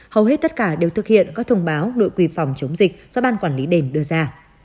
hầu hết tất cả đều thực hiện các thông báo đội quy phòng chống dịch do ban quản lý đền đưa ra